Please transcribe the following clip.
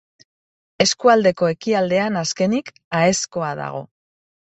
Eskualdeko ekialdean, azkenik, Aezkoa dago.